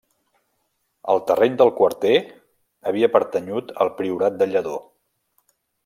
El terreny del Quarter havia pertanyut al Priorat del Lledó.